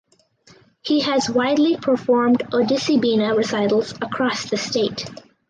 He has widely performed Odissi Bina recitals across the state.